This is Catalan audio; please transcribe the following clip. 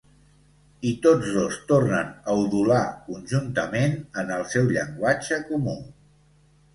I tots dos tornen a udolar conjuntament en el seu llenguatge comú.